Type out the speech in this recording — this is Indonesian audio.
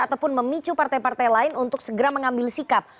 ataupun memicu partai partai lain untuk segera mengambil sikap